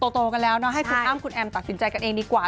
โตกันแล้วเนาะให้คุณอ้ำคุณแอมตัดสินใจกันเองดีกว่า